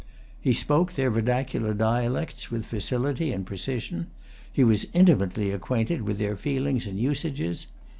He spoke their vernacular dialects with facility and precision. He was intimately acquainted with their feelings and usages.